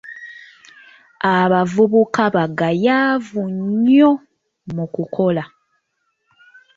Abavubuka bagayaavu nnyo mu kukola.